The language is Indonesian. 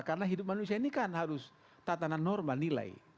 karena hidup manusia ini kan harus tatanan norma nilai